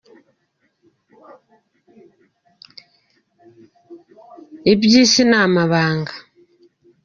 Ibyo isi ni amabanga.